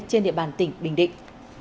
trên địa bàn tỉnh bình định